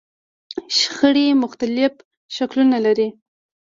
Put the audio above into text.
شخړې مختلف شکلونه لري.